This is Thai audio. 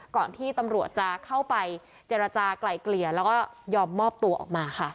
ก่อนที่ตำรวจจะเข้าไปเจรจากลายเกลี่ยแล้วก็ยอมมอบตัวออกมาค่ะ